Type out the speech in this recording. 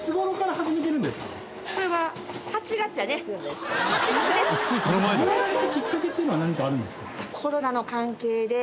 始められたきっかけっていうのは何かあるんですか？